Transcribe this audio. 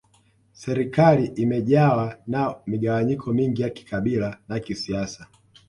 Serikali imejawa na migawanyiko mingi ya kikabila na kisiasa